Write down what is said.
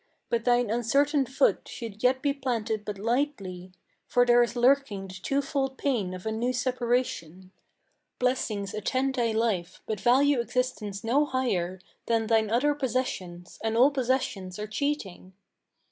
But thine uncertain foot should yet be planted but lightly, For there is lurking the twofold pain of a new separation. Blessings attend thy life; but value existence no higher Than thine other possessions, and all possessions are cheating!'